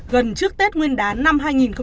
gần trước tết nguyên đán năm hai nghìn hai mươi